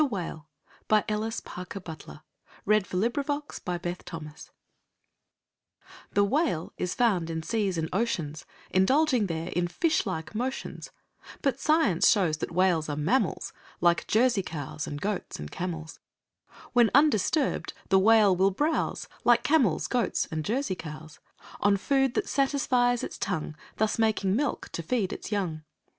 JM Embroideries & Collectibles The Whale By Ellis Parker Butler The Whale is found in seas and oceans, Indulging there in fishlike motions, But Science shows that Whales are mammals, Like Jersey cows, and goats, and camels. When undisturbed, the Whale will browse Like camels, goats, and Jersey cows, On food that satisfies its tongue, Thus making milk to feed its young.